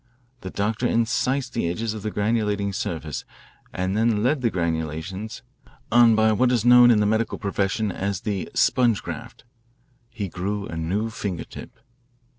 The doctor incised the edges of the granulating surface and then led the granulations on by what is known in the medical profession as the 'sponge graft.' He grew a new finger tip.